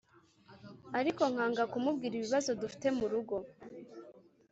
ariko nkanga kumubwira ibibazo dufite murugo,